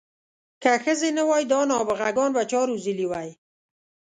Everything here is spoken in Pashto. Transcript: که ښځې نه وای دا نابغه ګان به چا روزلي وی.